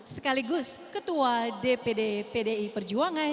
sekaligus ketua dpd pdi perjuangan